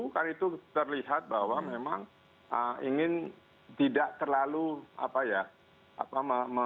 karena itu terlihat bahwa memang ingin tidak terlalu apa ya